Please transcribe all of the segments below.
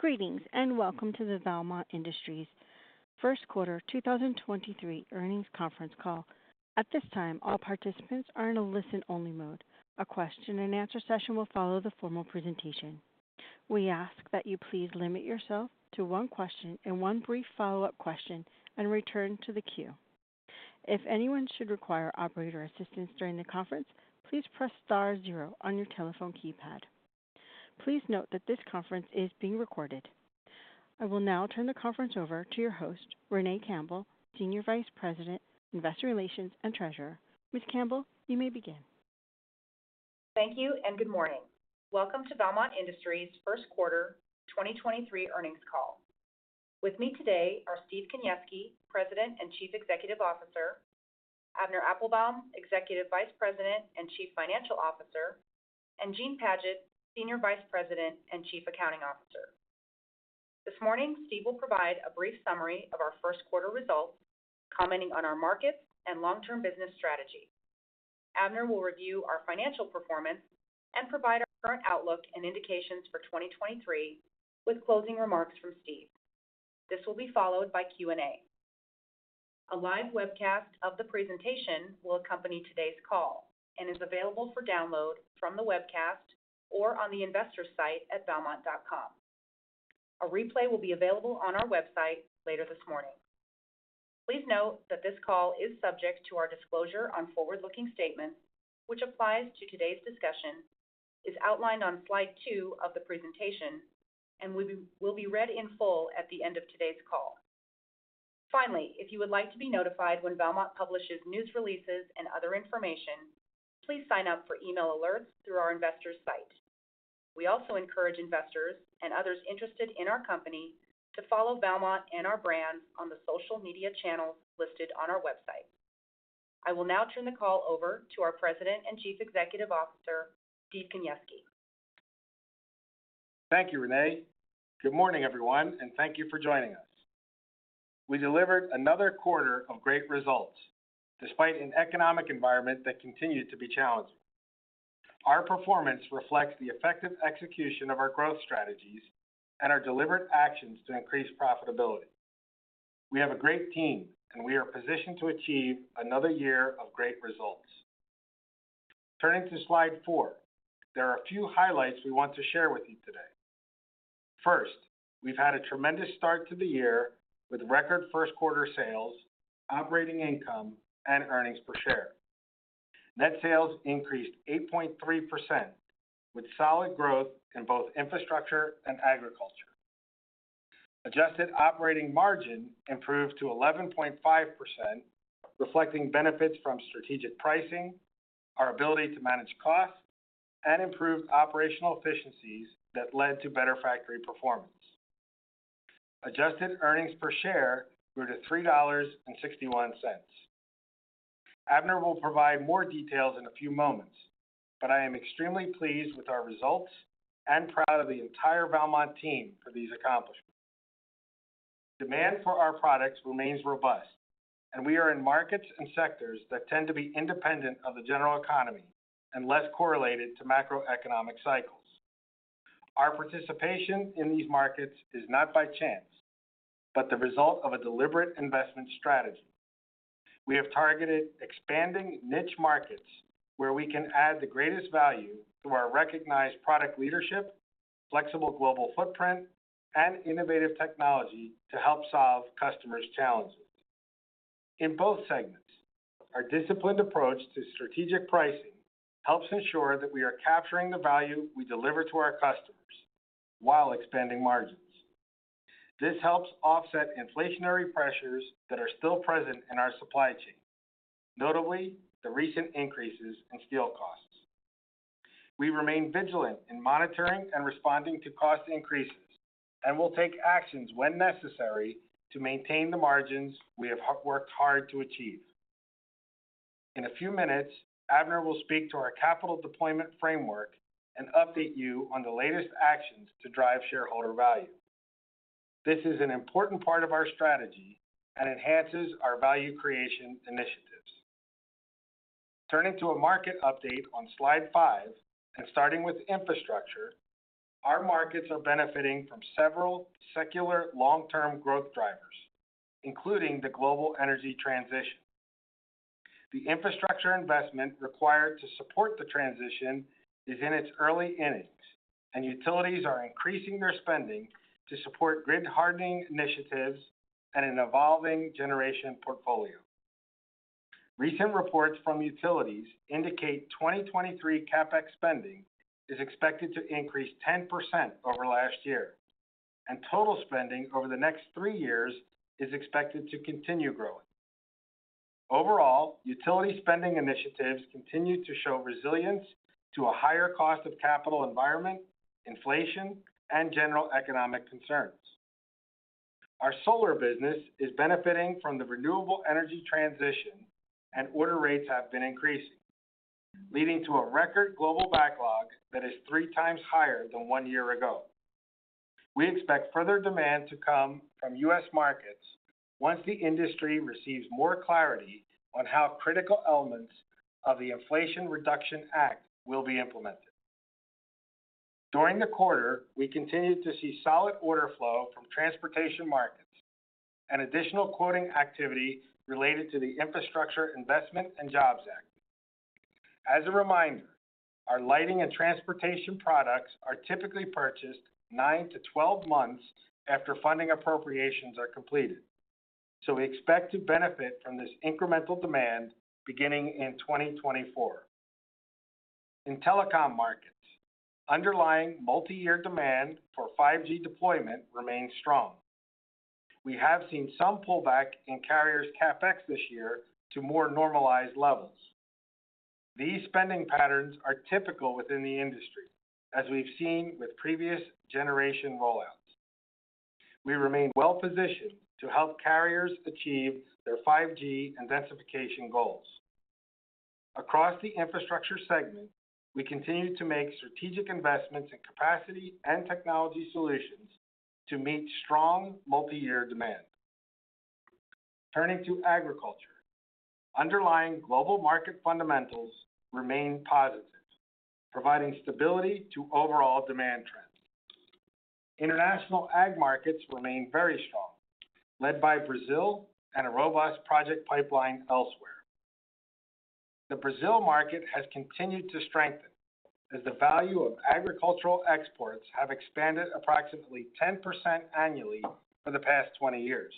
Greetings, Welcome to the Valmont Industries First Quarter 2023 Earnings Conference Call. At this time, all participants are in a listen-only mode. A question-and-answer session will follow the formal presentation. We ask that you please limit yourself to one question and one brief follow-up question and return to the queue. If anyone should require operator assistance during the conference, please press star zero on your telephone keypad. Please note that this conference is being recorded. I will now turn the conference over to your host, Renee Campbell, Senior Vice President, Investor Relations and Treasurer. Ms. Campbell, you may begin. Thank you and good morning. Welcome to Valmont Industries First Quarter 2023 Earnings Call. With me today are Steve Kaniewski, President and Chief Executive Officer, Avner Applbaum, Executive Vice President and Chief Financial Officer, and Gene Padgett, Senior Vice President and Chief Accounting Officer. This morning, Steve will provide a brief summary of our first quarter results, commenting on our markets and long-term business strategy. Avner will review our financial performance and provide our current outlook and indications for 2023, with closing remarks from Steve. This will be followed by Q&A. A live webcast of the presentation will accompany today's call and is available for download from the webcast or on the investor site at valmont.com. A replay will be available on our website later this morning. Please note that this call is subject to our disclosure on forward-looking statements, which applies to today's discussion, is outlined on slide two of the presentation, and will be read in full at the end of today's call. Finally, if you would like to be notified when Valmont publishes news releases and other information, please sign up for email alerts through our investor site. We also encourage investors and others interested in our company to follow Valmont and our brands on the social media channels listed on our website. I will now turn the call over to our President and Chief Executive Officer, Steve Kaniewski. Thank you, Renee. Good morning, everyone, and thank you for joining us. We delivered another quarter of great results despite an economic environment that continued to be challenging. Our performance reflects the effective execution of our growth strategies and our deliberate actions to increase profitability. We have a great team, and we are positioned to achieve another year of great results. Turning to slide four, there are a few highlights we want to share with you today. First, we've had a tremendous start to the year with record first quarter sales, operating income, and earnings per share. Net sales increased 8.3%, with solid growth in both Infrastructure and Agriculture. Adjusted operating margin improved to 11.5%, reflecting benefits from strategic pricing, our ability to manage costs, and improved operational efficiencies that led to better factory performance. Adjusted earnings per share grew to $3.61. Avner will provide more details in a few moments. I am extremely pleased with our results and proud of the entire Valmont team for these accomplishments. Demand for our products remains robust. We are in markets and sectors that tend to be independent of the general economy and less correlated to macroeconomic cycles. Our participation in these markets is not by chance. The result of a deliberate investment strategy. We have targeted expanding niche markets where we can add the greatest value through our recognized product leadership, flexible global footprint, and innovative technology to help solve customers' challenges. In both segments, our disciplined approach to strategic pricing helps ensure that we are capturing the value we deliver to our customers while expanding margins. This helps offset inflationary pressures that are still present in our supply chain, notably the recent increases in steel costs. We remain vigilant in monitoring and responding to cost increases and will take actions when necessary to maintain the margins we have worked hard to achieve. In a few minutes, Avner will speak to our capital deployment framework and update you on the latest actions to drive shareholder value. This is an important part of our strategy and enhances our value creation initiatives. Turning to a market update on slide five, starting with Infrastructure, our markets are benefiting from several secular long-term growth drivers, including the global energy transition. The Infrastructure investment required to support the transition is in its early innings. Utilities are increasing their spending to support grid hardening initiatives and an evolving generation portfolio. Recent reports from utilities indicate 2023 CapEx spending is expected to increase 10% over last year, and total spending over the next three years is expected to continue growing. Overall, utility spending initiatives continue to show resilience to a higher cost of capital environment, inflation, and general economic concerns. Our solar business is benefiting from the renewable energy transition, and order rates have been increasing, leading to a record global backlog that is three times higher than one year ago. We expect further demand to come from U.S. markets once the industry receives more clarity on how critical elements of the Inflation Reduction Act will be implemented. During the quarter, we continued to see solid order flow from transportation markets and additional quoting activity related to the Infrastructure Investment and Jobs Act. Our lighting and transportation products are typically purchased nine to 12 months after funding appropriations are completed. We expect to benefit from this incremental demand beginning in 2024. In telecom markets, underlying multi-year demand for 5G deployment remains strong. We have seen some pullback in carriers' CapEx this year to more normalized levels. These spending patterns are typical within the industry, as we've seen with previous generation rollouts. We remain well-positioned to help carriers achieve their 5G intensification goals. Across the Infrastructure segment, we continue to make strategic investments in capacity and technology solutions to meet strong multi-year demand. Turning to Agriculture. Underlying global market fundamentals remain positive, providing stability to overall demand trends. International ag markets remain very strong, led by Brazil and a robust project pipeline elsewhere. The Brazil market has continued to strengthen as the value of agricultural exports have expanded approximately 10% annually for the past 20 years.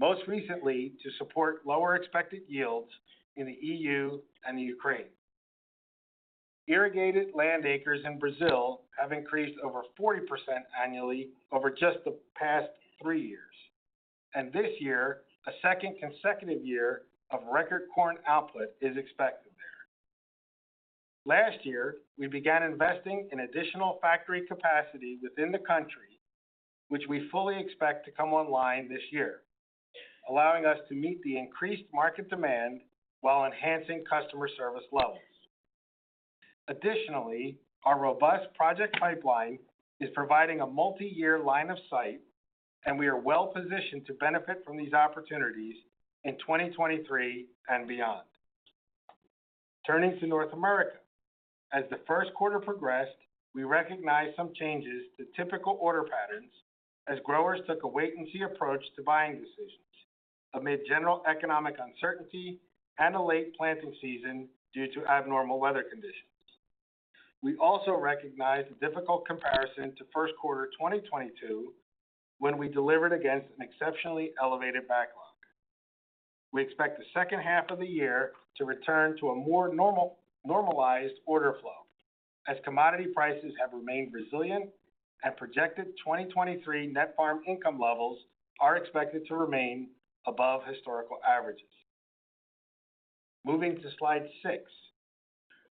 Most recently, to support lower expected yields in the E.U. and the Ukraine. Irrigated land acres in Brazil have increased over 40% annually over just the past three years. This year, a second consecutive year of record corn output is expected there. Last year, we began investing in additional factory capacity within the country, which we fully expect to come online this year, allowing us to meet the increased market demand while enhancing customer service levels. Additionally, our robust project pipeline is providing a multi-year line of sight, and we are well-positioned to benefit from these opportunities in 2023 and beyond. Turning to North America. As the first quarter progressed, we recognized some changes to typical order patterns as growers took a wait-and-see approach to buying decisions amid general economic uncertainty and a late planting season due to abnormal weather conditions. We also recognized a difficult comparison to first quarter 2022, when we delivered against an exceptionally elevated backlog. We expect the second half of the year to return to a more normalized order flow as commodity prices have remained resilient and projected 2023 net farm income levels are expected to remain above historical averages. Moving to slide six.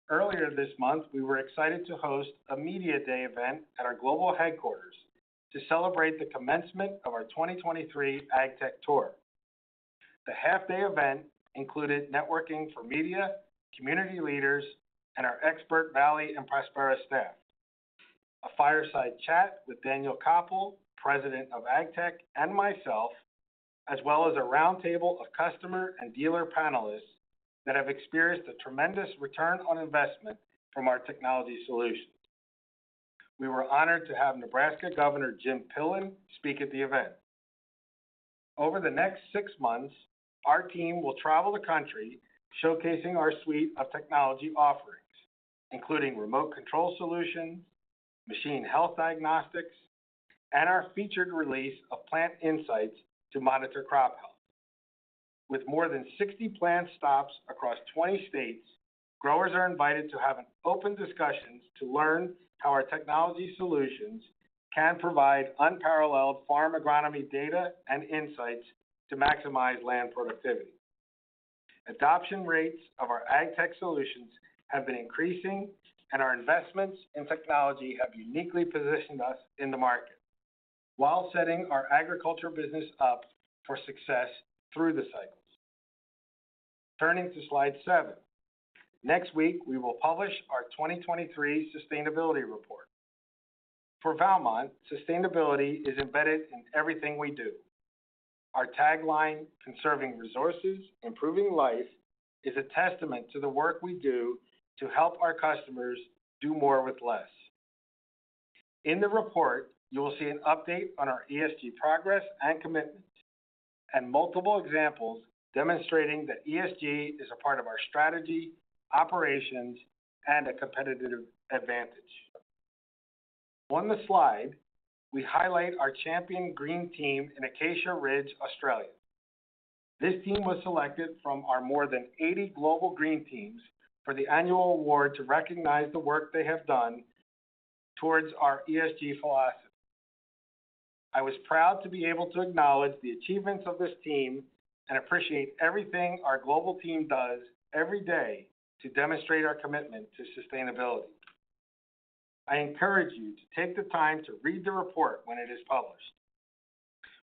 Earlier this month, we were excited to host a media day event at our global headquarters to celebrate the commencement of our 2023 AgTech Tour. The half-day event included networking for media, community leaders, and our expert Valley and Prospera staff. A fireside chat with Darren Copple, President of AgTech, and myself, as well as a roundtable of customer and dealer panelists that have experienced a tremendous return on investment from our technology solutions. We were honored to have Nebraska Governor Jim Pillen speak at the event. Over the next six months, our team will travel the country showcasing our suite of technology offerings, including remote control solutions, machine health diagnostics, and our featured release of Plant Insights to monitor crop health. With more than 60 plant stops across 20 states, growers are invited to have an open discussions to learn how our technology solutions can provide unparalleled farm agronomy data and insights to maximize land productivity. Adoption rates of our AgTech solutions have been increasing, and our investments in technology have uniquely positioned us in the market while setting our Agriculture business up for success through the cycles. Turning to slide seven. Next week, we will publish our 2023 Sustainability Report. For Valmont, sustainability is embedded in everything we do. Our tagline, "Conserving Resources. Improving Life.," is a testament to the work we do to help our customers do more with less. In the report, you will see an update on our ESG progress and commitments, and multiple examples demonstrating that ESG is a part of our strategy, operations, and a competitive advantage. On the slide, we highlight our Champion Green Team in Acacia Ridge, Australia. This team was selected from our more than 80 global green teams for the annual award to recognize the work they have done towards our ESG philosophy. I was proud to be able to acknowledge the achievements of this team and appreciate everything our global team does every day to demonstrate our commitment to sustainability. I encourage you to take the time to read the report when it is published.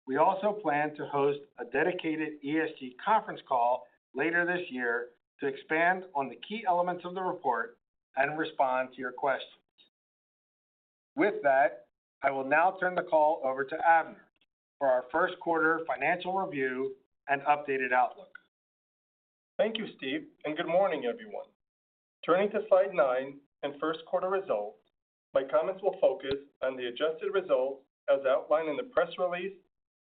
We also plan to host a dedicated ESG conference call later this year to expand on the key elements of the report and respond to your questions. With that, I will now turn the call over to Avner for our first quarter financial review and updated outlook. Thank you, Steve, and good morning, everyone. Turning to slide nine and first quarter results, my comments will focus on the adjusted results as outlined in the press release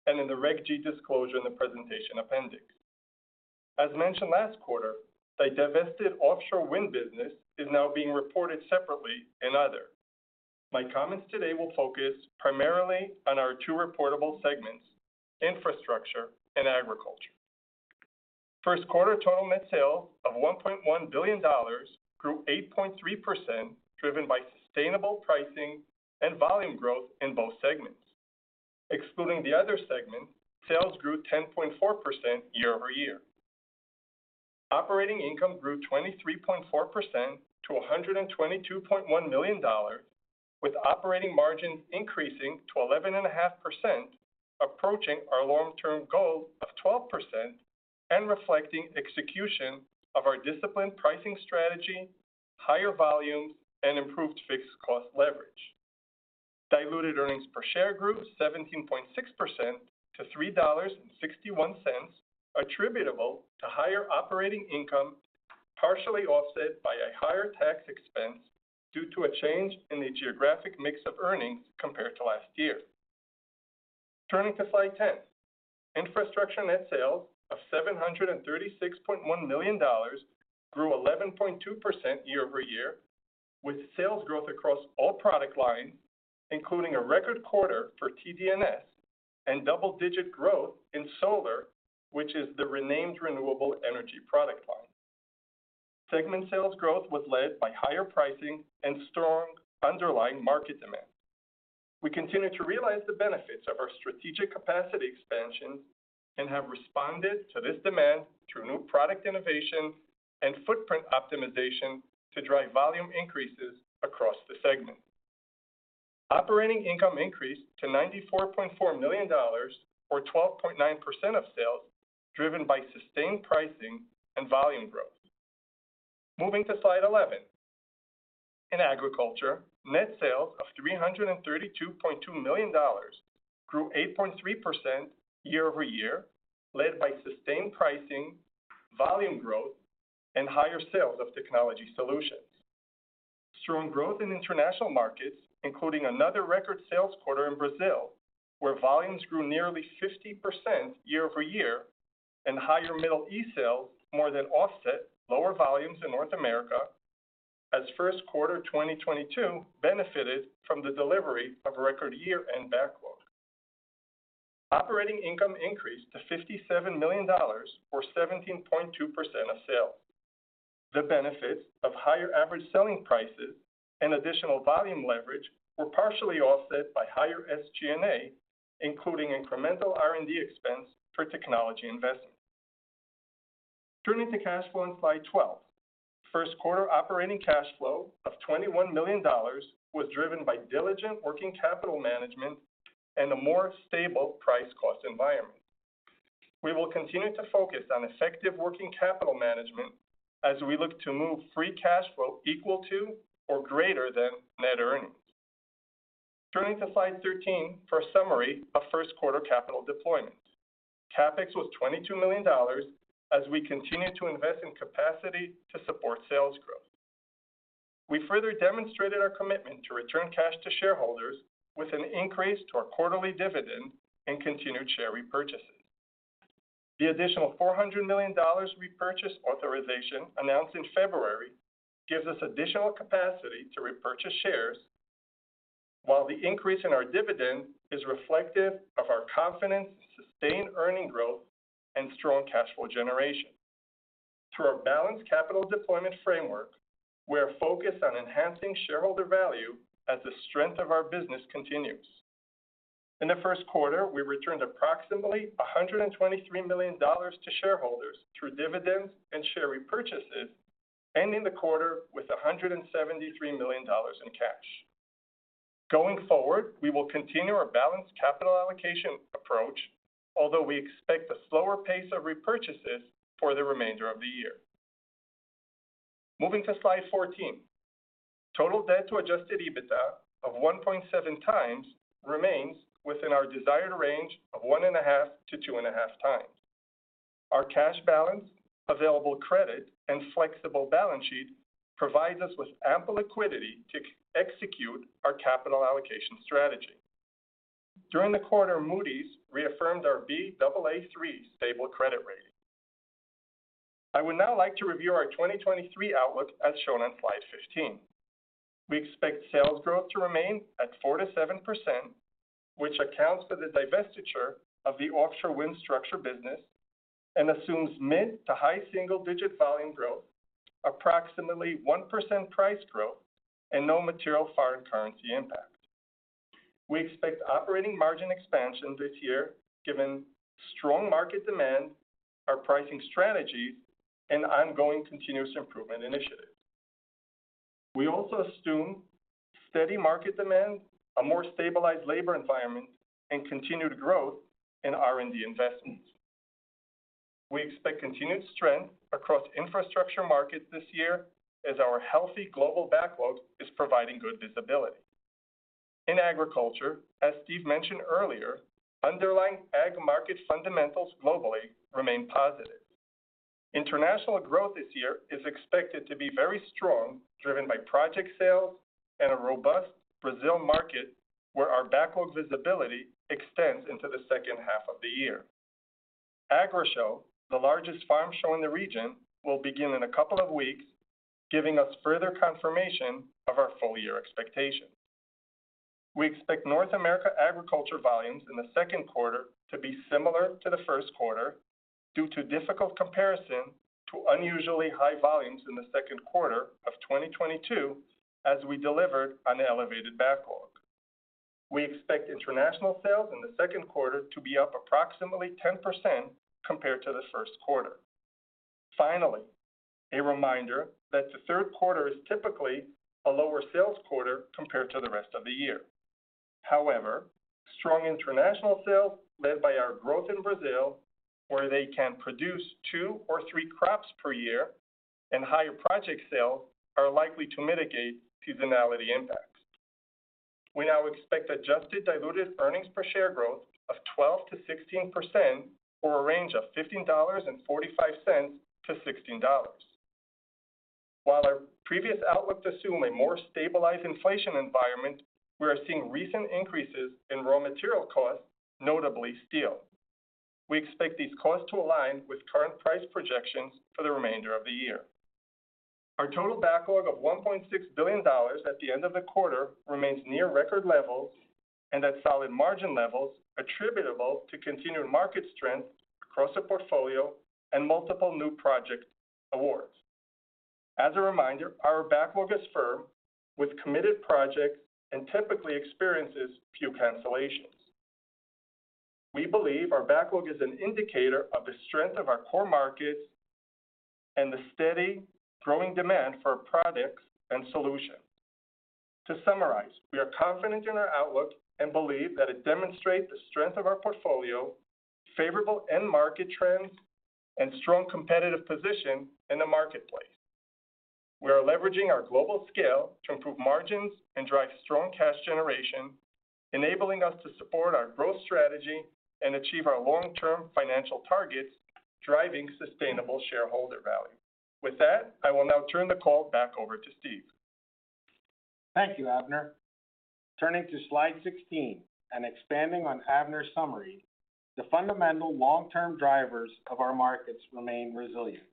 and in the Regulation G disclosure in the presentation appendix. As mentioned last quarter, the divested Offshore Wind business is now being reported separately in Other. My comments today will focus primarily on our two reportable segments, Infrastructure and Agriculture. First quarter total net sales of $1.1 billion grew 8.3%, driven by sustainable pricing and volume growth in both segments. Excluding the Other segment, sales grew 10.4% year-over-year. Operating income grew 23.4% to $122.1 million, with operating margin increasing to 11.5%, approaching our long-term goal of 12% and reflecting execution of our disciplined pricing strategy, higher volumes, and improved fixed cost leverage. Diluted earnings per share grew 17.6% to $3.61, attributable to higher operating income, partially offset by a higher tax expense due to a change in the geographic mix of earnings compared to last year. Turning to slide 10. Infrastructure net sales of $736.1 million grew 11.2% year-over-year, with sales growth across all product lines, including a record quarter for T&D and double-digit growth in solar, which is the renamed Renewable Energy product line. Segment sales growth was led by higher pricing and strong underlying market demand. We continue to realize the benefits of our strategic capacity expansion and have responded to this demand through new product innovation and footprint optimization to drive volume increases across the segment. Operating income increased to $94.4 million or 12.9% of sales, driven by sustained pricing and volume growth. Moving to slide 11. In AgTech, net sales of $332.2 million grew 8.3% year-over-year, led by sustained pricing, volume growth, and higher sales of technology solutions. Strong growth in international markets, including another record sales quarter in Brazil, where volumes grew nearly 50% year-over-year and higher Middle East sales more than offset lower volumes in North America as first quarter 2022 benefited from the delivery of a record year-end backload. Operating income increased to $57 million or 17.2% of sales. The benefits of higher average selling prices and additional volume leverage were partially offset by higher SG&A, including incremental R&D expense for technology investments. Turning to cash flow on slide 12. First quarter operating cash flow of $21 million was driven by diligent working capital management and a more stable price cost environment. We will continue to focus on effective working capital management as we look to move free cash flow equal to or greater than net earnings. Turning to slide 13 for a summary of first quarter capital deployment. CapEx was $22 million as we continue to invest in capacity to support sales growth. We further demonstrated our commitment to return cash to shareholders with an increase to our quarterly dividend and continued share repurchases. The additional $400 million repurchase authorization announced in February gives us additional capacity to repurchase shares, while the increase in our dividend is reflective of our confidence in sustained earning growth and strong cash flow generation. Through our balanced capital deployment framework, we are focused on enhancing shareholder value as the strength of our business continues. In the first quarter, we returned approximately $123 million to shareholders through dividends and share repurchases, ending the quarter with $173 million in cash. Going forward, we will continue our balanced capital allocation approach, although we expect a slower pace of repurchases for the remainder of the year. Moving to slide 14. Total debt to adjusted EBITDA of 1.7x remains within our desired range of 1.5x-2.5x. Our cash balance, available credit, and flexible balance sheet provides us with ample liquidity to execute our capital allocation strategy. During the quarter, Moody's reaffirmed our Baa3 stable credit rating. I would now like to review our 2023 outlook as shown on slide 15. We expect sales growth to remain at 4%-7%, which accounts for the divestiture of the Offshore Wind structure business and assumes mid to high single-digit volume growth, approximately 1% price growth, and no material foreign currency impact. We expect operating margin expansion this year, given strong market demand, our pricing strategy, and ongoing continuous improvement initiatives. We also assume steady market demand, a more stabilized labor environment, and continued growth in R&D investments. We expect continued strength across Infrastructure markets this year as our healthy global backlog is providing good visibility. In Agriculture, as Steve mentioned earlier, underlying ag market fundamentals globally remain positive. International growth this year is expected to be very strong, driven by project sales and a robust Brazil market where our backlog visibility extends into the second half of the year. Agrishow, the largest farm show in the region, will begin in a couple of weeks, giving us further confirmation of our full-year expectations. We expect North America Agriculture volumes in the second quarter to be similar to the first quarter due to difficult comparison to unusually high volumes in the second quarter of 2022 as we delivered on elevated backlog. We expect international sales in the second quarter to be up approximately 10% compared to the first quarter. Finally, a reminder that the third quarter is typically a lower sales quarter compared to the rest of the year. However, strong international sales led by our growth in Brazil, where they can produce two or three crops per year and higher project sales are likely to mitigate seasonality impacts. We now expect adjusted diluted earnings per share growth of 12%-16% or a range of $15.45-$16.00. While our previous outlooks assume a more stabilized inflation environment, we are seeing recent increases in raw material costs, notably steel. We expect these costs to align with current price projections for the remainder of the year. Our total backlog of $1.6 billion at the end of the quarter remains near record levels and at solid margin levels attributable to continued market strength across the portfolio and multiple new project awards. As a reminder, our backlog is firm with committed projects and typically experiences few cancellations. We believe our backlog is an indicator of the strength of our core markets and the steady growing demand for our products and solutions. To summarize, we are confident in our outlook and believe that it demonstrates the strength of our portfolio, favorable end market trends, and strong competitive position in the marketplace. We are leveraging our global scale to improve margins and drive strong cash generation, enabling us to support our growth strategy and achieve our long-term financial targets, driving sustainable shareholder value. With that, I will now turn the call back over to Steve Kaniewski. Thank you, Avner. Turning to slide 16 and expanding on Avner's summary, the fundamental long-term drivers of our markets remain resilient.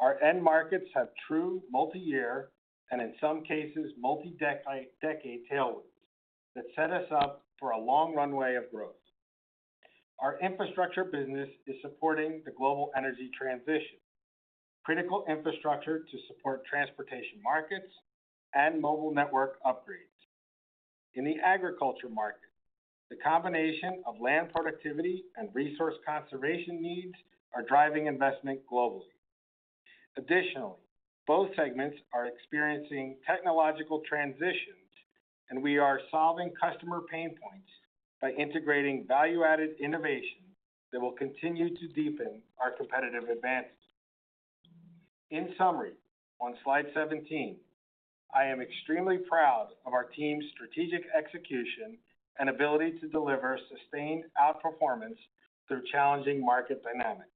Our end markets have true multi-year, and in some cases, multi-decade tailwinds that set us up for a long runway of growth. Our Infrastructure business is supporting the global energy transition, critical Infrastructure to support transportation markets, and mobile network upgrades. In the Agriculture market, the combination of land productivity and resource conservation needs are driving investment globally. Additionally, both segments are experiencing technological transitions, and we are solving customer pain points by integrating value-added innovation that will continue to deepen our competitive advantage. In summary, on slide 17, I am extremely proud of our team's strategic execution and ability to deliver sustained outperformance through challenging market dynamics.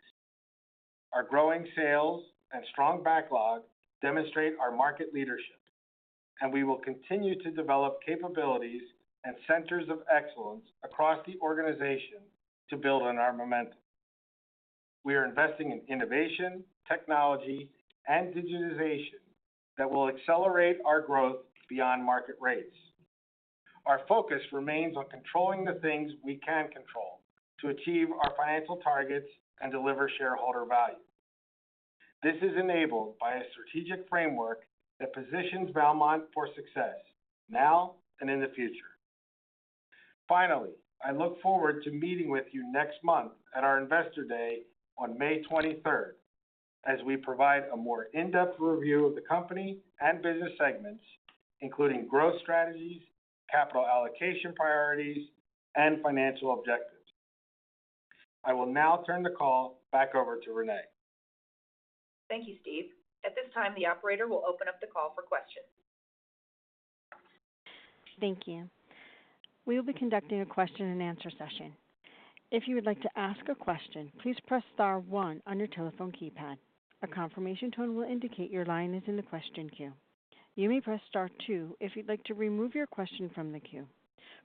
Our growing sales and strong backlog demonstrate our market leadership, and we will continue to develop capabilities and centers of excellence across the organization to build on our momentum. We are investing in innovation, technology, and digitization that will accelerate our growth beyond market rates. Our focus remains on controlling the things we can control to achieve our financial targets and deliver shareholder value. This is enabled by a strategic framework that positions Valmont for success now and in the future. Finally, I look forward to meeting with you next month at our Investor Day on May 23rd as we provide a more in-depth review of the company and business segments, including growth strategies, capital allocation priorities, and financial objectives. I will now turn the call back over to Renee. Thank you, Steve. At this time, the operator will open up the call for questions. Thank you. We will be conducting a question and answer session. If you would like to ask a question, please press star one on your telephone keypad. A confirmation tone will indicate your line is in the question queue. You may press star two if you'd like to remove your question from the queue.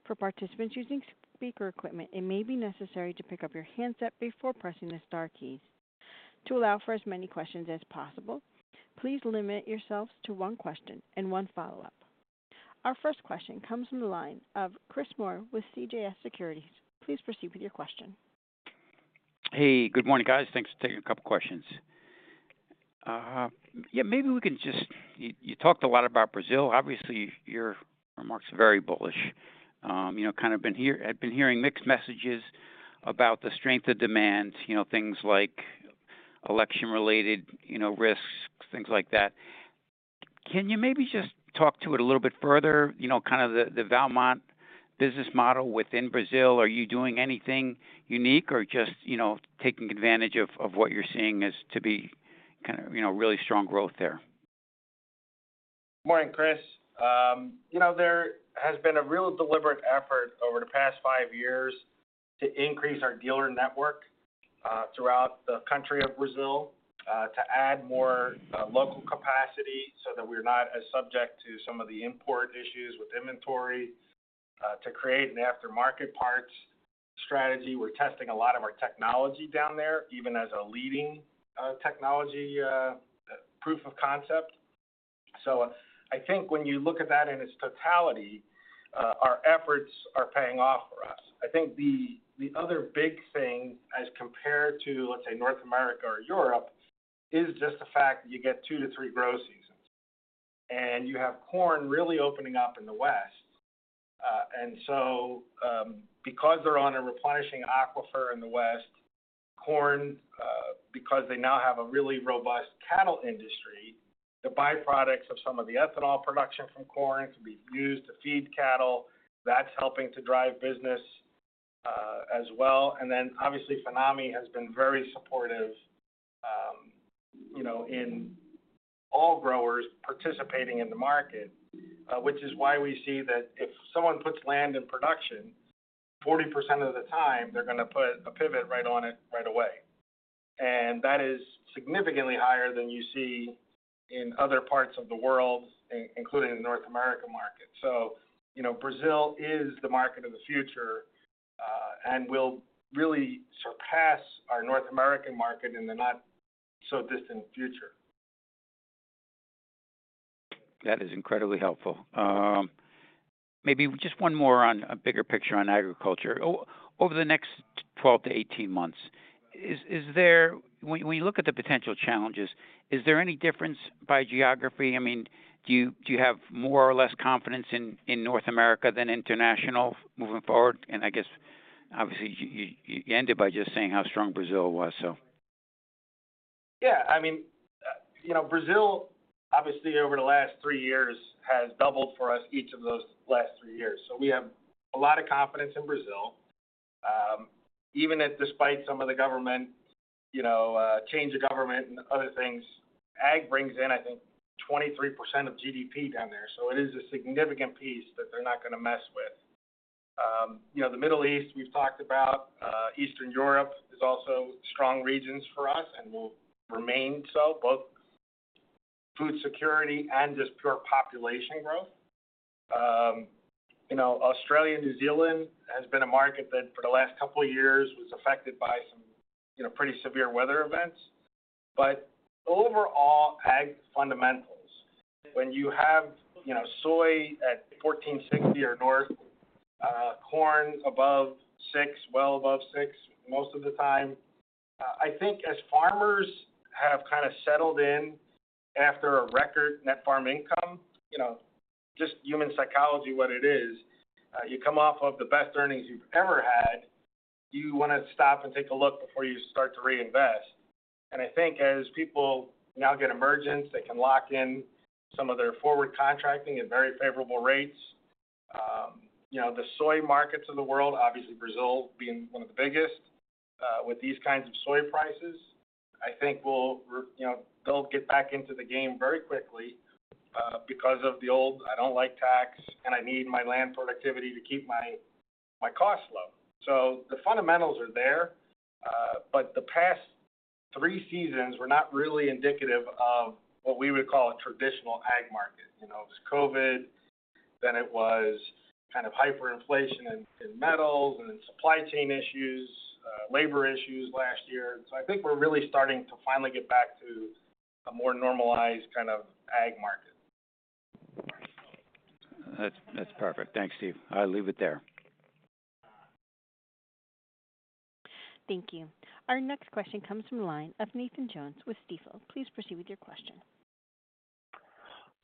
For participants using speaker equipment, it may be necessary to pick up your handset before pressing the star keys. To allow for as many questions as possible, please limit yourselves to one question and one follow-up. Our first question comes from the line of Chris Moore with CJS Securities. Please proceed with your question. Hey, good morning, guys. Thanks for taking a couple questions. Yeah, maybe we can just. You talked a lot about Brazil. Obviously, your remarks are very bullish. You know, I've been hearing mixed messages about the strength of demand, you know, things like election-related, you know, risks, things like that. Can you maybe just talk to it a little bit further? You know, kind of the Valmont business model within Brazil. Are you doing anything unique or just, you know, taking advantage of what you're seeing as to be kinda, you know, really strong growth there? Morning, Chris. you know, there has been a real deliberate effort over the past five years to increase our dealer network throughout the country of Brazil, to add more local capacity so that we're not as subject to some of the import issues with inventory, to create an aftermarket parts strategy. We're testing a lot of our technology down there, even as a leading technology, proof of concept. I think when you look at that in its totality, our efforts are paying off for us. I think the other big thing as compared to, let's say North America or Europe, is just the fact that you get two to three grow seasons, and you have corn really opening up in the West. Because they're on a replenishing aquifer in the West, corn, because they now have a really robust cattle industry, the byproducts of some of the ethanol production from corn can be used to feed cattle. That's helping to drive business as well. Then obviously Farmer Mac has been very supportive, you know, in all growers participating in the market, which is why we see that if someone puts land in production, 40% of the time, they're gonna put a pivot right on it right away. That is significantly higher than you see in other parts of the world, including the North America market. You know, Brazil is the market of the future and will really surpass our North American market in the not so distant future. That is incredibly helpful. Maybe just one more on a bigger picture on Agriculture. Over the next 12-18 months, when you look at the potential challenges, is there any difference by geography? I mean, do you have more or less confidence in North America than international moving forward? I guess obviously you ended by just saying how strong Brazil was so. Yeah. I mean, you know, Brazil, obviously over the last three years has doubled for us each of those last three years. We have a lot of confidence in Brazil, even if despite some of the government, you know, change of government and other things. Ag brings in, I think, 23% of GDP down there. It is a significant piece that they're not gonna mess with. You know, the Middle East, we've talked about. Eastern Europe is also strong regions for us and will remain so, both food security and just pure population growth. You know, Australia and New Zealand has been a market that for the last couple of years was affected by some, you know, pretty severe weather events. Overall Ag fundamentals, when you have, you know, soy at $14.60 or north, corn above $6, well above $6 most of the time, I think as farmers have kinda settled in after a record net farm income, you know, just human psychology what it is, you come off of the best earnings you've ever had, you wanna stop and take a look before you start to reinvest. I think as people now get emergence, they can lock in some of their forward contracting at very favorable rates. You know, the soy markets of the world, obviously, Brazil being one of the biggest, with these kinds of soy prices, I think we'll, you know, they'll get back into the game very quickly, because of the old, "I don't like tax, and I need my land productivity to keep my costs low." The fundamentals are there, but the past three seasons were not really indicative of what we would call a traditional ag market. You know, it was COVID, then it was kind of hyperinflation in metals and in supply chain issues, labor issues last year. I think we're really starting to finally get back to a more normalized kind of ag market. That's perfect. Thanks, Steve. I'll leave it there. Thank you. Our next question comes from the line of Nathan Jones with Stifel. Please proceed with your question.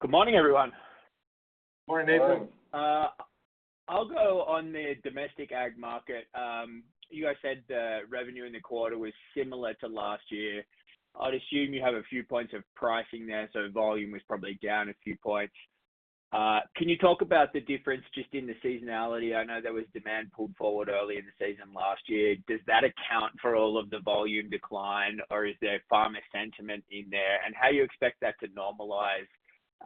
Good morning, everyone. Morning, Nathan. Morning. I'll go on the domestic ag market. You guys said the revenue in the quarter was similar to last year. I'd assume you have a few points of pricing there, so volume was probably down a few points. Can you talk about the difference just in the seasonality? I know there was demand pulled forward early in the season last year. Does that account for all of the volume decline, or is there farmer sentiment in there? How you expect that to normalize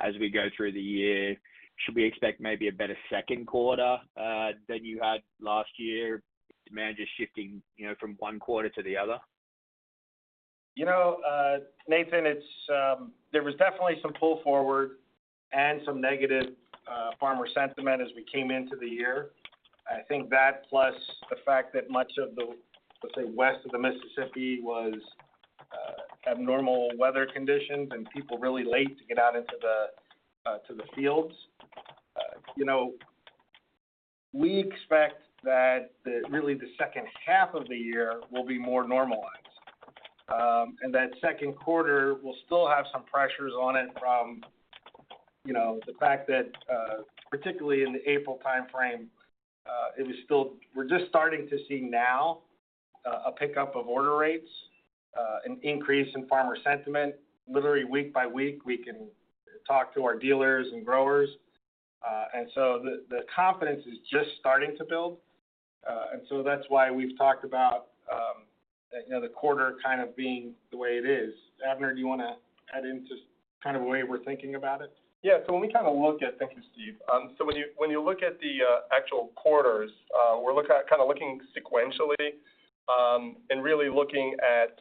as we go through the year? Should we expect maybe a better second quarter than you had last year? Demand just shifting, you know, from one quarter to the other? You know, Nathan, it's... There was definitely some pull forward and some negative farmer sentiment as we came into the year. I think that plus the fact that much of the, let's say, West of the Mississippi was abnormal weather conditions and people really late to get out into the fields. You know, we expect that the, really the second half of the year will be more normalized. That second quarter will still have some pressures on it from, you know, the fact that, particularly in the April timeframe, we're just starting to see now a pickup of order rates, an increase in farmer sentiment. Literally week by week, we can talk to our dealers and growers. The confidence is just starting to build. That's why we've talked about, you know, the quarter kind of being the way it is. Avner, do you wanna add into kind of the way we're thinking about it? Yeah. When we kinda look at... Thank you, Steve. When you, when you look at the actual quarters, we're kinda looking sequentially, and really looking at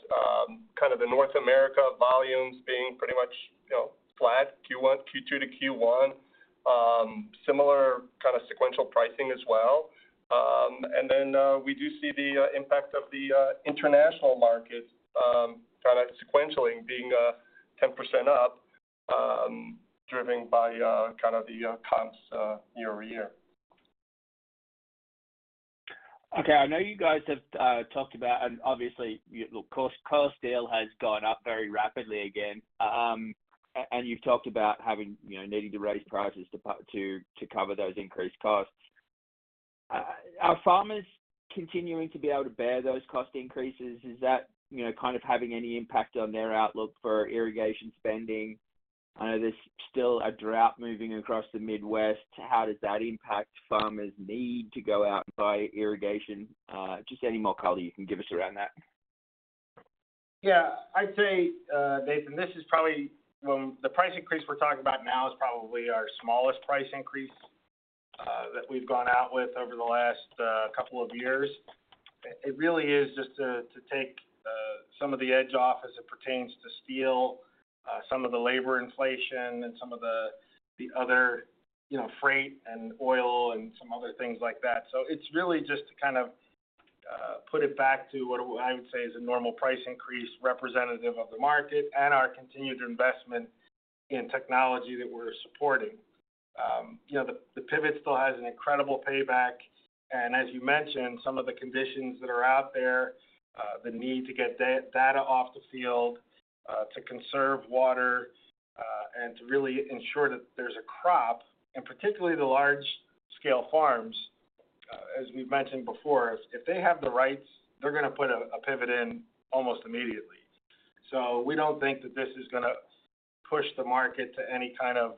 kind of the North America volumes being pretty much, you know, flat Q1, Q2 to Q1. Similar kinda sequential pricing as well. Then, we do see the impact of the international markets kinda sequentially being 10% up, driven by kind of the comps year-over-year. Okay. I know you guys have talked about, and obviously, you look, cost steel has gone up very rapidly again. You've talked about having, you know, needing to raise prices to cover those increased costs. Are farmers continuing to be able to bear those cost increases? Is that, you know, kind of having any impact on their outlook for irrigation spending? I know there's still a drought moving across the Midwest. How does that impact farmers' need to go out and buy irrigation? Just any more color you can give us around that. I'd say, Nathan, this is probably the price increase we're talking about now is probably our smallest price increase that we've gone out with over the last couple of years. It really is just to take some of the edge off as it pertains to steel, some of the labor inflation and some of the other, you know, freight and oil and some other things like that. It's really just to kind of put it back to what I would say is a normal price increase representative of the market and our continued investment in technology that we're supporting. You know, the pivot still has an incredible payback. As you mentioned, some of the conditions that are out there, the need to get data off the field, to conserve water, and to really ensure that there's a crop, and particularly the large-scale farms, as we've mentioned before, if they have the rights, they're gonna put a pivot in almost immediately. We don't think that this is gonna push the market to any kind of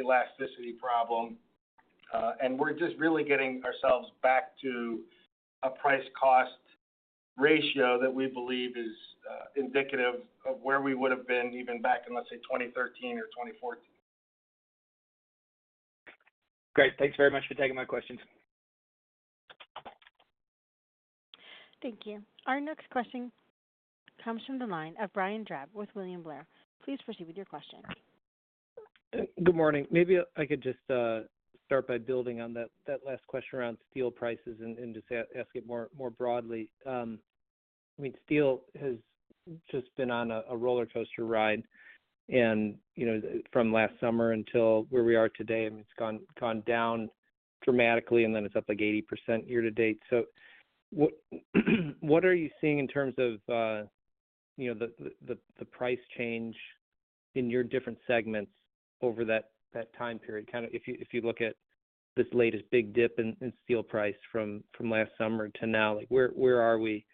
elasticity problem. We're just really getting ourselves back to a price cost ratio that we believe is indicative of where we would have been even back in, let's say, 2013 or 2014. Great. Thanks very much for taking my questions. Thank you. Our next question comes from the line of Brian Drab with William Blair. Please proceed with your question. Good morning. Maybe I could just start by building on that last question around steel prices and just ask it more, more broadly. I mean, steel has just been on a rollercoaster ride and, you know, from last summer until where we are today, I mean, it's gone down dramatically, and then it's up, like, 80% year to date. What are you seeing in terms of, you know, the price change in your different segments over that time period? Kinda if you look at this latest big dip in steel price from last summer to now, like, where are we?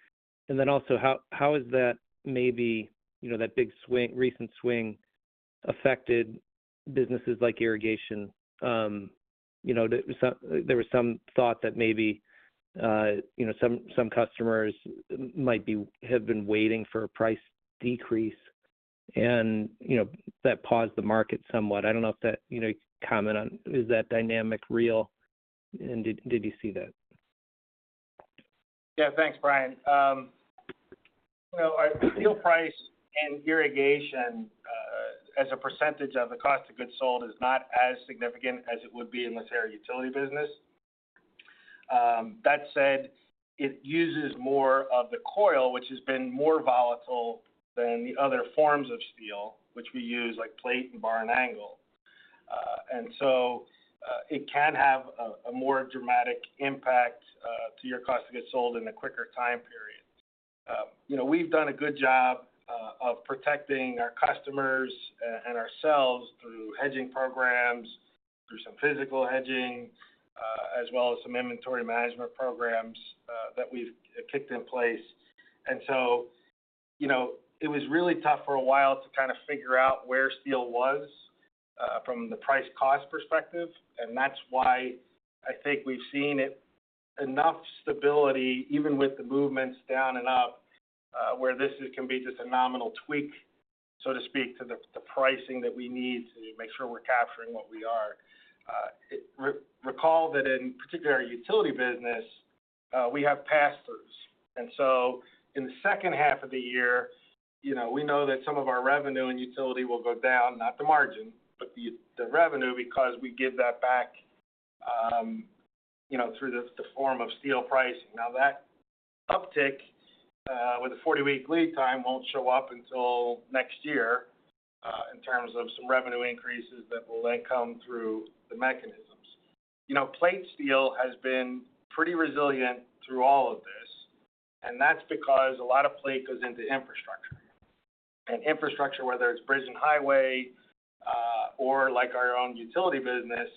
Also, how is that maybe, you know, that big swing, recent swing affected businesses like irrigation? You know, there was some thought that maybe, you know, some customers have been waiting for a price decrease and, you know, that paused the market somewhat. I don't know if that, you know, comment on is that dynamic real, and did you see that? Yeah. Thanks, Brian. you know, our steel price and irrigation, as a % of the cost of goods sold is not as significant as it would be in, let's say, our utility business. That said, it uses more of the coil, which has been more volatile than the other forms of steel, which we use, like plate and bar and angle. It can have a more dramatic impact, to your cost of goods sold in a quicker time period. you know, we've done a good job, of protecting our customers, and ourselves through hedging programs, through some physical hedging, as well as some inventory management programs, that we've, kicked in place. You know, it was really tough for a while to kinda figure out where steel was from the price cost perspective, and that's why I think we've seen it enough stability, even with the movements down and up, where this is can be just a nominal tweak, so to speak, to the pricing that we need to make sure we're capturing what we are. Recall that in particular, our utility business, we have pass-throughs. In the second half of the year, you know, we know that some of our revenue and utility will go down, not the margin, but the revenue because we give that back, you know, through the form of steel pricing. That uptick, with a 40-week lead time won't show up until next year, in terms of some revenue increases that will then come through the mechanisms. You know, plate steel has been pretty resilient through all of this, and that's because a lot of plate goes into Infrastructure. Infrastructure, whether it's bridge and highway, or like our own utility business,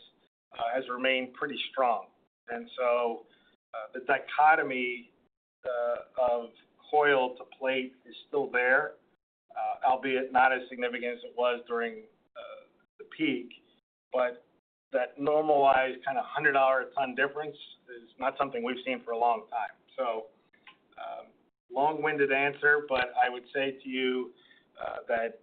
has remained pretty strong. The dichotomy of coil to plate is still there, albeit not as significant as it was during the peak. That normalized kinda $100 a ton difference is not something we've seen for a long time. Long-winded answer, but I would say to you that,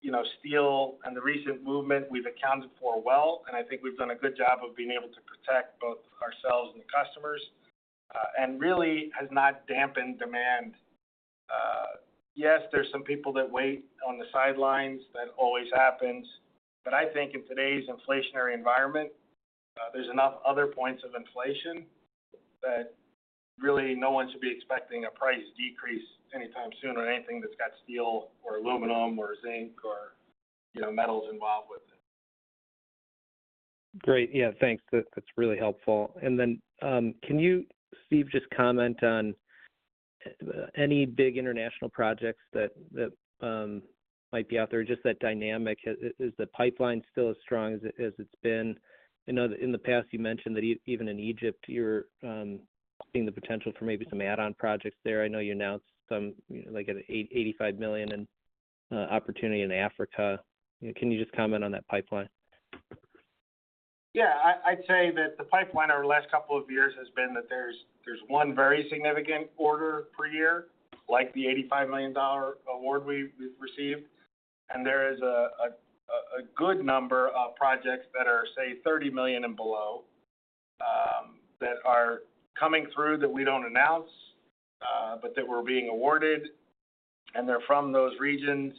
you know, steel and the recent movement we've accounted for well, and I think we've done a good job of being able to protect both ourselves and the customers, and really has not dampened demand. Yes, there's some people that wait on the sidelines, that always happens, but I think in today's inflationary environment, there's enough other points of inflation that really no one should be expecting a price decrease anytime soon on anything that's got steel or aluminum or zinc or, you know, metals involved with it. Great. Yeah, thanks. That's really helpful. Can you, Steve, just comment on any big international projects that might be out there? Just that dynamic. Is the pipeline still as strong as it's been? I know that in the past you mentioned that even in Egypt, you're seeing the potential for maybe some add-on projects there. I know you announced some, you know, like an $85 million in opportunity in Africa. You know, can you just comment on that pipeline? Yeah. I'd say that the pipeline over the last couple of years has been that there's one very significant order per year, like the $85 million award we've received. There is a good number of projects that are, say, $30 million and below, that are coming through that we don't announce, but that we're being awarded. They're from those regions,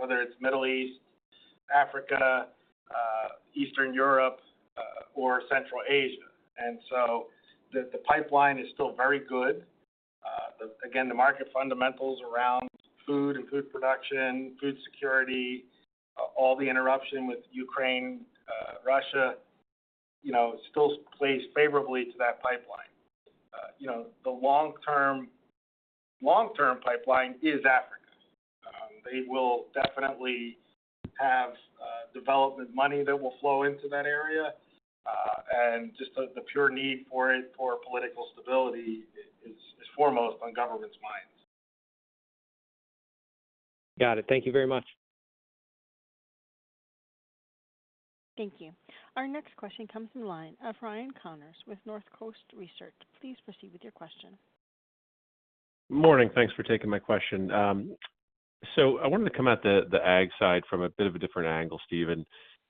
whether it's Middle East, Africa, Eastern Europe, or Central Asia. The pipeline is still very good. Again, the market fundamentals around food and food production, food security, all the interruption with Ukraine, Russia, you know, still plays favorably to that pipeline. You know, the long-term pipeline is Africa. They will definitely have development money that will flow into that area. Just the pure need for it for political stability is foremost on governments' minds. Got it. Thank you very much. Thank you. Our next question comes from the line of Ryan Connors with North Coast Research. Please proceed with your question. Morning. Thanks for taking my question. I wanted to come at the Ag side from a bit of a different angle, Steve.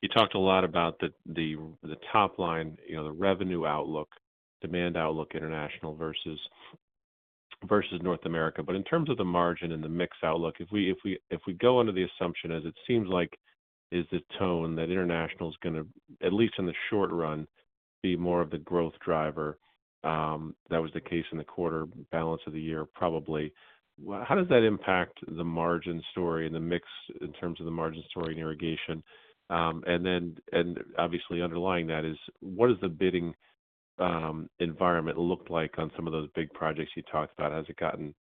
You talked a lot about the top line, you know, the revenue outlook, demand outlook, international vs North America. In terms of the margin and the mix outlook, if we go under the assumption as it seems like is the tone that international's gonna, at least in the short run, be more of the growth driver, that was the case in the quarter balance of the year probably. How does that impact the margin story and the mix in terms of the margin story in irrigation? Obviously underlying that is what does the bidding environment look like on some of those big projects you talked about? Has it gotten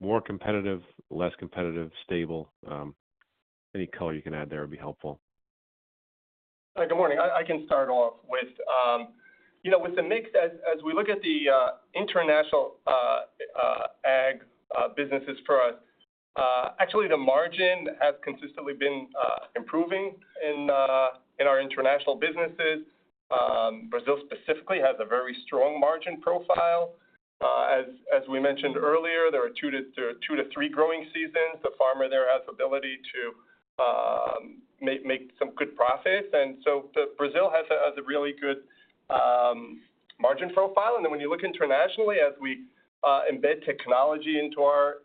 more competitive, less competitive, stable? Any color you can add there would be helpful. Good morning. I can start off with, you know, with the mix as we look at the international Ag businesses for us, actually the margin has consistently been improving in our international businesses. Brazil specifically has a very strong margin profile. As we mentioned earlier, there are two to three growing seasons. The farmer there has ability to make some good profits. Brazil has a really good margin profile. When you look internationally, as we embed technology into our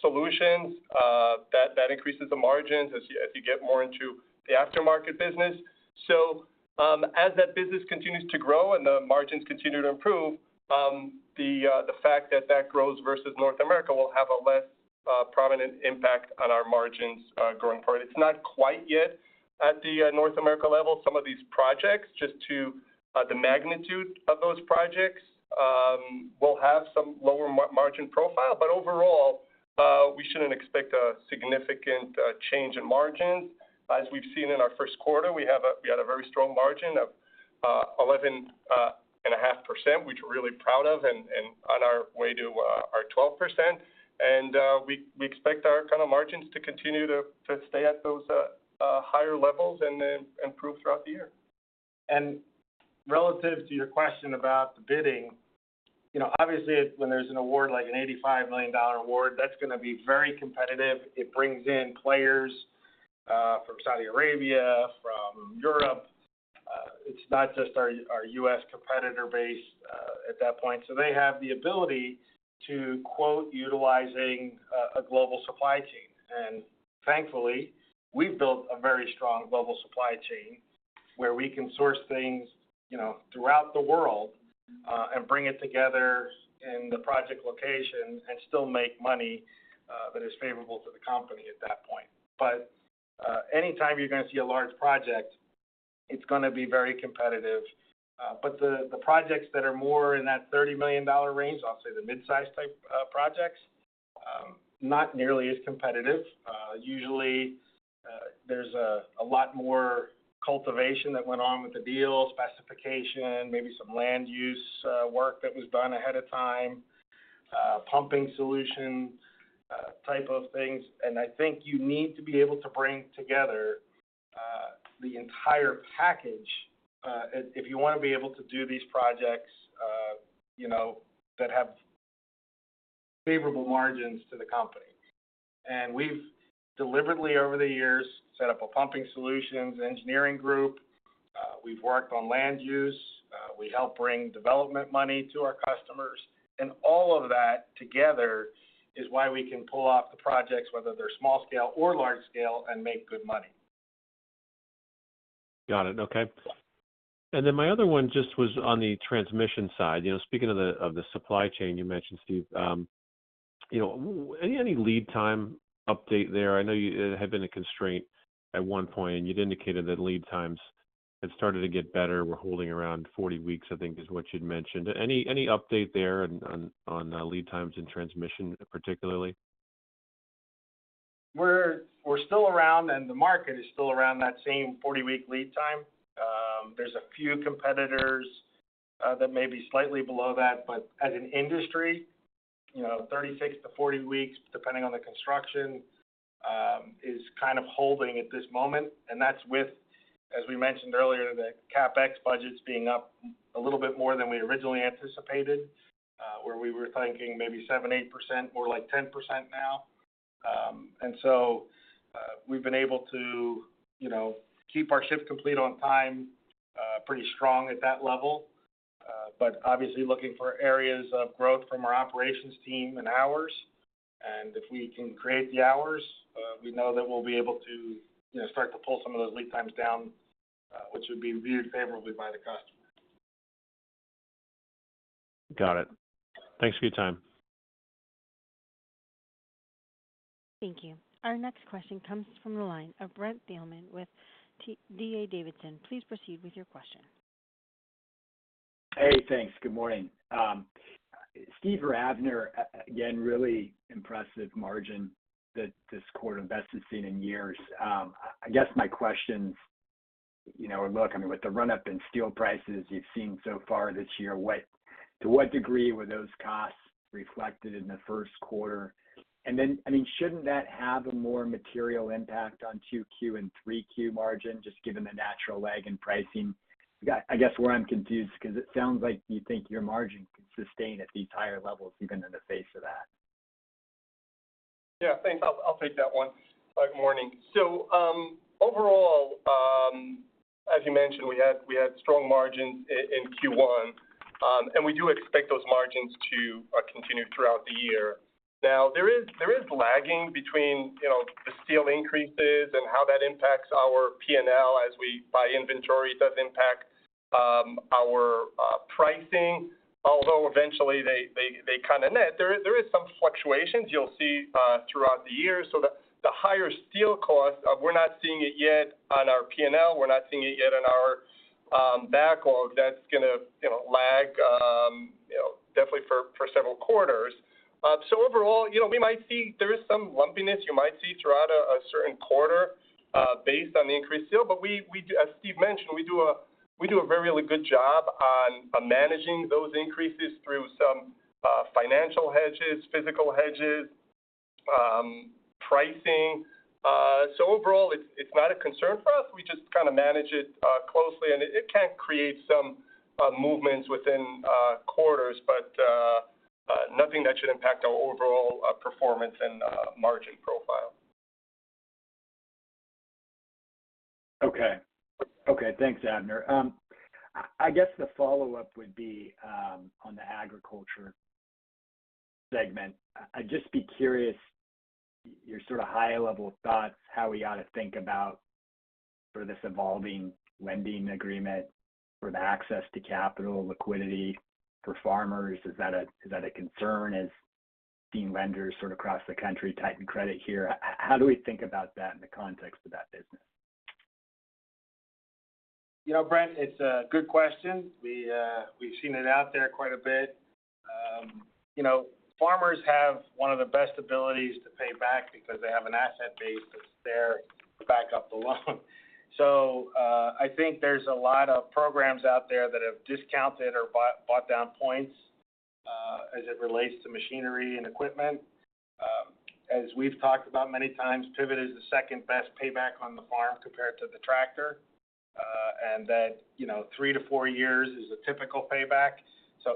solutions, that increases the margins as you get more into the aftermarket business. As that business continues to grow and the margins continue to improve, the fact that that grows vs North America will have a less prominent impact on our margins going forward. It's not quite yet at the North America level. Some of these projects just to the magnitude of those projects will have some lower margin profile. Overall, we shouldn't expect a significant change in margins. As we've seen in our first quarter, we had a very strong margin of 11.5%, which we're really proud of, and on our way to our 12%. We expect our kind of margins to continue to stay at those higher levels and then improve throughout the year. Relative to your question about the bidding, you know, obviously when there's an award like an $85 million award, that's gonna be very competitive. It brings in players from Saudi Arabia, from Europe. It's not just our U.S. competitor base at that point. They have the ability to quote utilizing a global supply chain. Thankfully, we've built a very strong global supply chain where we can source things, you know, throughout the world and bring it together in the project location and still make money that is favorable to the company at that point. Anytime you're gonna see a large project, it's gonna be very competitive. But the projects that are more in that $30 million range, I'll say the mid-size type projects, not nearly as competitive. Usually, there's a lot more cultivation that went on with the deal, specification, maybe some land use work that was done ahead of time, pumping solution type of things. I think you need to be able to bring together the entire package, if you wanna be able to do these projects, you know, that have favorable margins to the company. We've deliberately, over the years, set up a pumping solutions engineering group. We've worked on land use. We help bring development money to our customers. All of that together is why we can pull off the projects, whether they're small scale or large scale, and make good money. Got it. Okay. My other one just was on the transmission side. You know, speaking of the supply chain, you mentioned, Steve. You know, any lead time update there? I know it had been a constraint at one point, and you'd indicated that lead times had started to get better. We're holding around 40 weeks, I think is what you'd mentioned. Any update there on lead times in transmission particularly? We're still around, the market is still around that same 40-week lead time. There's a few competitors that may be slightly below that, but as an industry, you know, 36-40 weeks, depending on the construction, is kind of holding at this moment. That's with, as we mentioned earlier, the CapEx budgets being up a little bit more than we originally anticipated, where we were thinking maybe 7%, 8%, more like 10% now. We've been able to, you know, keep our ship complete on time pretty strong at that level. Obviously looking for areas of growth from our operations team and hours. If we can create the hours, we know that we'll be able to, you know, start to pull some of those lead times down, which would be viewed favorably by the customer. Got it. Thanks for your time. Thank you. Our next question comes from the line of Brent Thielman with D.A. Davidson. Please proceed with your question. Hey, thanks. Good morning. Steve or Avner, again, really impressive margin that this quarter best has seen in years. I guess my questions, you know, look, I mean, with the run-up in steel prices you've seen so far this year, to what degree were those costs reflected in the first quarter? I mean, shouldn't that have a more material impact on 2Q and 3Q margin, just given the natural lag in pricing? I guess where I'm confused, 'cause it sounds like you think your margin could sustain at these higher levels even in the face of that. Yeah, thanks. I'll take that one. Good morning. Overall, as you mentioned, we had strong margins in Q1. We do expect those margins to continue throughout the year. Now, there is lagging between, you know, the steel increases and how that impacts our P&L as we buy inventory. It does impact our pricing, although eventually they kinda net. There is some fluctuations you'll see throughout the year. The higher steel cost, we're not seeing it yet on our P&L. We're not seeing it yet on our backlog. That's gonna, you know, lag, you know, definitely for several quarters. Overall, you know, there is some lumpiness you might see throughout a certain quarter based on the increased steel. We do as Steve mentioned, we do a very really good job on managing those increases through some financial hedges, physical hedges, pricing. Overall, it's not a concern for us. We just kinda manage it closely. It can create some movements within quarters, but nothing that should impact our overall performance and margin profile. Okay. Okay, thanks, Avner. I guess the follow-up would be on the Agriculture segment. I'd just be curious your sorta high-level thoughts, how we ought to think about sort of this evolving lending agreement for the access to capital liquidity for farmers. Is that a concern as seeing lenders sort of across the country tighten credit here? How do we think about that in the context of that business? You know, Brent, it's a good question. We've seen it out there quite a bit. You know, farmers have one of the best abilities to pay back because they have an asset base that's there to back up the loan. I think there's a lot of programs out there that have discounted or bought down points as it relates to machinery and equipment. As we've talked about many times, Pivot is the second-best payback on the farm compared to the tractor. That, you know, three to four years is a typical payback.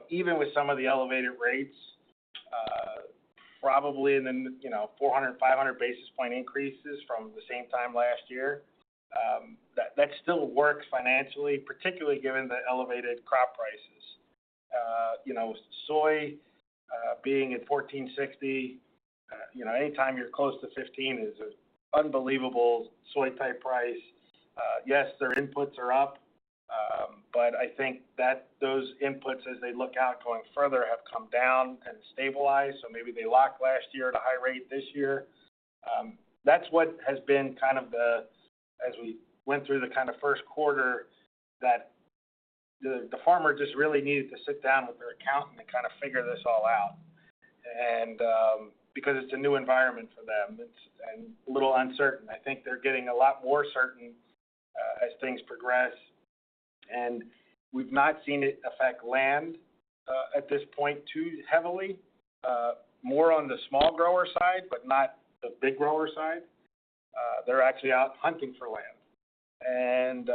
Even with some of the elevated rates, probably in the, you know, 400, 500 basis point increases from the same time last year, that still works financially, particularly given the elevated crop prices. You know, soy, being at $14.60, you know, anytime you're close to $15 is an unbelievable soy type price. Yes, their inputs are up. I think that those inputs as they look out going further, have come down and stabilized. Maybe they locked last year at a high rate this year. That's what has been kind of the as we went through the kinda first quarter that the farmer just really needed to sit down with their accountant and kinda figure this all out. Because it's a new environment for them, it's and a little uncertain. I think they're getting a lot more certain as things progress. We've not seen it affect land at this point too heavily. More on the small grower side, but not the big grower side. They're actually out hunting for land.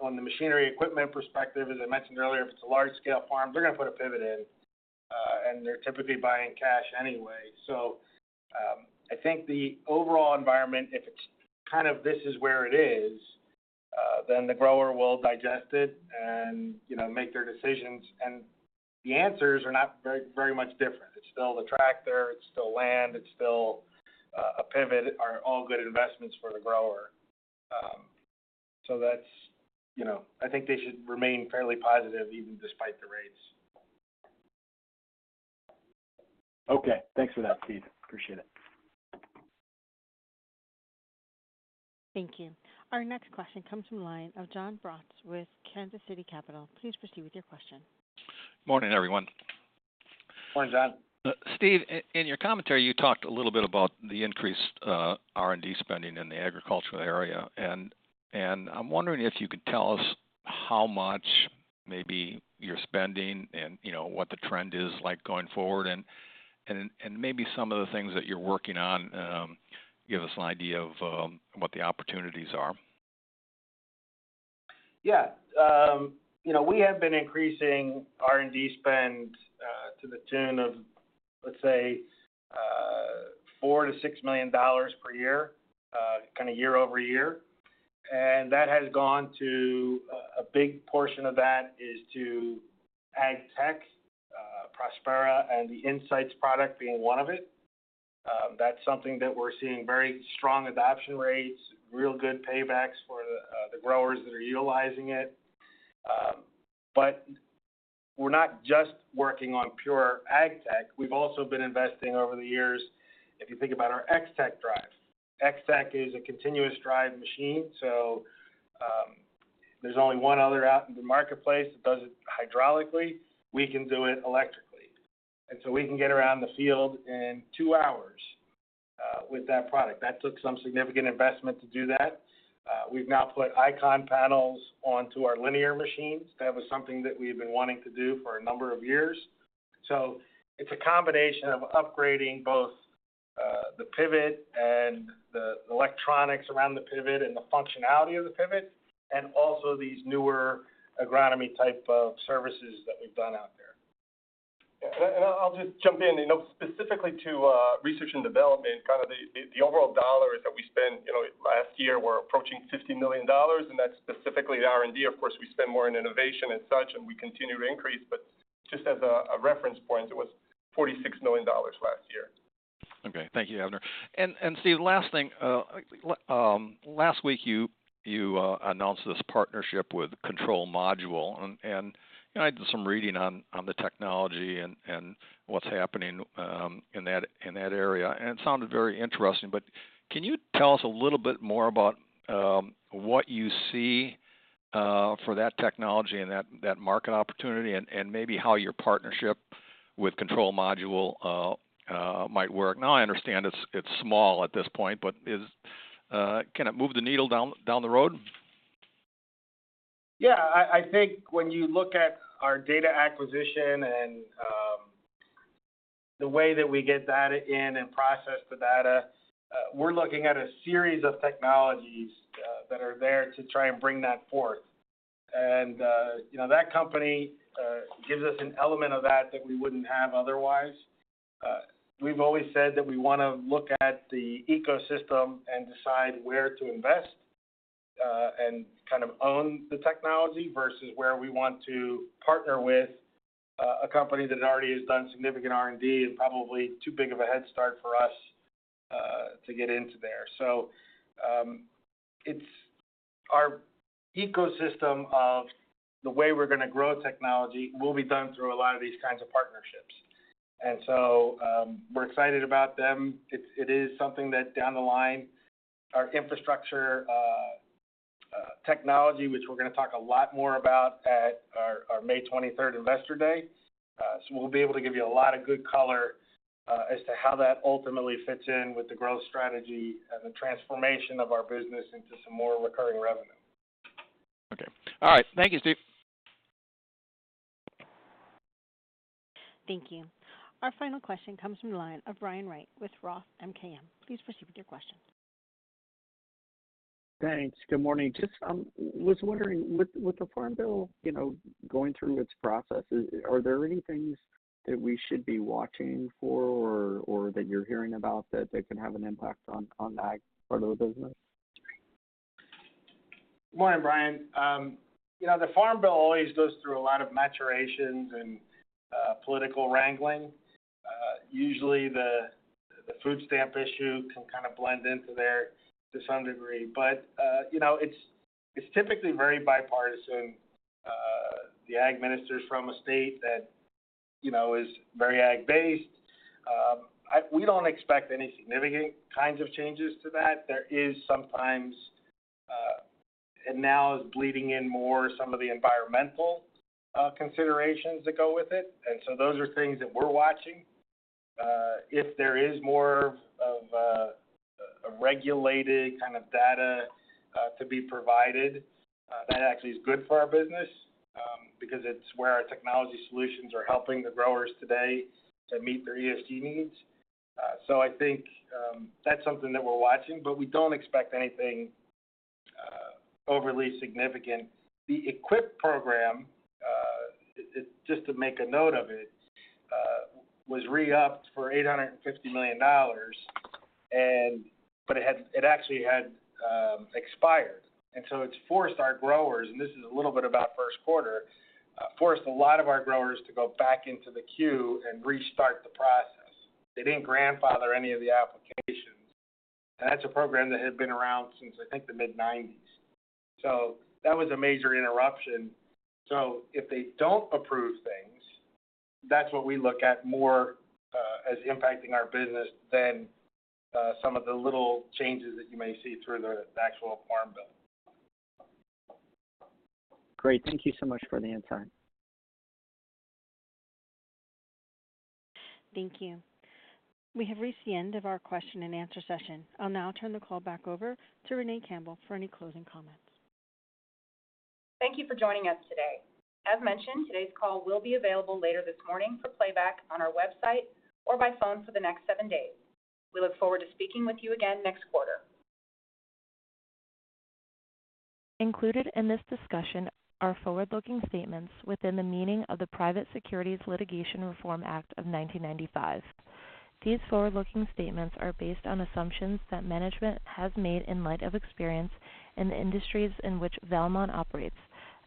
On the machinery equipment perspective, as I mentioned earlier, if it's a large scale farm, they're gonna put a pivot in, and they're typically buying cash anyway. I think the overall environment, if it's kind of this is where it is, then the grower will digest it and, you know, make their decisions. The answers are not very much different. It's still the tractor, it's still land, it's still a pivot, are all good investments for the grower. You know, I think they should remain fairly positive even despite the rates. Okay. Thanks for that, Steve. Appreciate it. Thank you. Our next question comes from line of Jon Braatz with Kansas City Capital. Please proceed with your question. Morning, everyone. Morning, Jon. Steve, in your commentary, you talked a little bit about the increased R&D spending in the agricultural area. I'm wondering if you could tell us how much maybe you're spending and, you know, what the trend is like going forward and maybe some of the things that you're working on, give us an idea of what the opportunities are. Yeah. You know, we have been increasing R&D spend to the tune of, let's say, $4 million-$6 million per year-over-year. That has gone to a big portion of that is to AgTech, Prospera, and the Insights product being one of it. That's something that we're seeing very strong adoption rates, real good paybacks for the growers that are utilizing it. But we're not just working on pure AgTech. We've also been investing over the years, if you think about our X-Tec drive. X-Tec is a continuous drive machine, there's only one other out in the marketplace that does it hydraulically. We can do it electrically. We can get around the field in two hours with that product. That took some significant investment to do that. We've now put ICON panels onto our linear machines. That was something that we had been wanting to do for a number of years. It's a combination of upgrading both the pivot and the electronics around the pivot and the functionality of the pivot, and also these newer agronomy type of services that we've done out there. Yeah. I'll just jump in, you know, specifically to research and development, kind of the overall dollars that we spent, you know, last year were approaching $50 million. That's specifically the R&D. Of course, we spend more in innovation and such. We continue to increase. Just as a reference point, it was $46 million last year. Okay. Thank you, Avner. Steve, last thing. Last week, you announced this partnership with Control Module. I did some reading on the technology and what's happening in that area, and it sounded very interesting. Can you tell us a little bit more about what you see for that technology and that market opportunity, and maybe how your partnership with Control Module might work? I understand it's small at this point, but can it move the needle down the road? Yeah. I think when you look at our data acquisition and the way that we get data in and process the data, we're looking at a series of technologies that are there to try and bring that forth. You know, that company gives us an element of that that we wouldn't have otherwise. We've always said that we want to look at the ecosystem and decide where to invest and kind of own the technology vs where we want to partner with a company that already has done significant R&D and probably too big of a head start for us to get into there. It's our ecosystem of the way we're gonna grow technology will be done through a lot of these kinds of partnerships. We're excited about them. It is something that down the line, our Infrastructure technology, which we're gonna talk a lot more about at our May 23rd Investor Day. We'll be able to give you a lot of good color as to how that ultimately fits in with the growth strategy and the transformation of our business into some more recurring revenue. Okay. All right. Thank you, Steve. Thank you. Our final question comes from the line of Brian Wright with Roth MKM. Please proceed with your question. Thanks. Good morning. Just, was wondering, with the Farm Bill, you know, going through its process, are there any things that we should be watching for or that you're hearing about that can have an impact on the Ag part of the business? Morning, Brian. You know, the Farm Bill always goes through a lot of maturations and political wrangling. Usually the food stamp issue can kind of blend into there to some degree. You know, it's typically very bipartisan. The ag minister's from a state that, you know, is very ag-based. We don't expect any significant kinds of changes to that. There is sometimes, and now is bleeding in more some of the environmental considerations that go with it. Those are things that we're watching. If there is more of a regulated kind of data to be provided, that actually is good for our business, because it's where our technology solutions are helping the growers today to meet their ESG needs. I think that's something that we're watching, but we don't expect anything overly significant. The EQIP program, just to make a note of it, was re-upped for $850 million and it actually had expired. It's forced our growers, and this is a little bit about first quarter, forced a lot of our growers to go back into the queue and restart the process. They didn't grandfather any of the applications, and that's a program that had been around since, I think, the mid-1990s. That was a major interruption. If they don't approve things, that's what we look at more as impacting our business than some of the little changes that you may see through the actual Farm Bill. Great. Thank you so much for the insight. Thank you. We have reached the end of our question and answer session. I'll now turn the call back over to Renee Campbell for any closing comments. Thank you for joining us today. As mentioned, today's call will be available later this morning for playback on our website or by phone for the next seven days. We look forward to speaking with you again next quarter. Included in this discussion are forward-looking statements within the meaning of the Private Securities Litigation Reform Act of 1995. These forward-looking statements are based on assumptions that management has made in light of experience in the industries in which Valmont operates,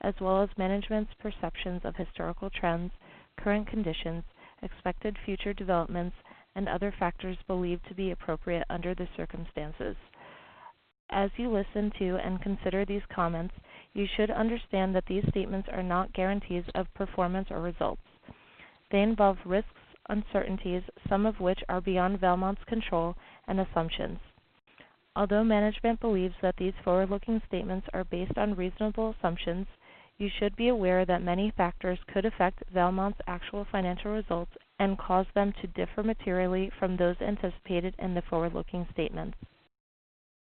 as well as management's perceptions of historical trends, current conditions, expected future developments, and other factors believed to be appropriate under the circumstances. As you listen to and consider these comments, you should understand that these statements are not guarantees of performance or results. They involve risks, uncertainties, some of which are beyond Valmont's control, and assumptions. Although management believes that these forward-looking statements are based on reasonable assumptions, you should be aware that many factors could affect Valmont's actual financial results and cause them to differ materially from those anticipated in the forward-looking statements.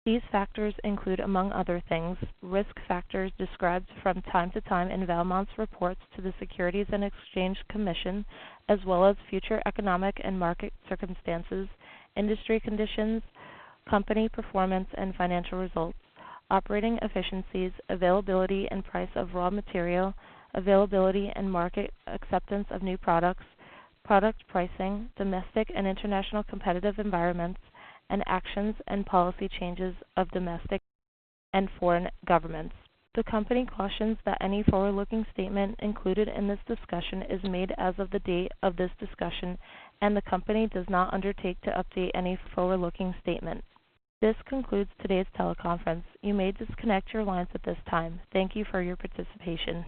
These factors include, among other things, risk factors described from time to time in Valmont's reports to the Securities and Exchange Commission, as well as future economic and market circumstances, industry conditions, company performance and financial results, operating efficiencies, availability and price of raw material, availability and market acceptance of new products, product pricing, domestic and international competitive environments, and actions and policy changes of domestic and foreign governments. The company cautions that any forward-looking statement included in this discussion is made as of the date of this discussion, and the company does not undertake to update any forward-looking statement. This concludes today's teleconference. You may disconnect your lines at this time. Thank you for your participation.